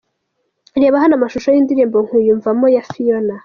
Reba hano amashusho y’indirimbo’ Nkwiyumvamo’ ya Phiona.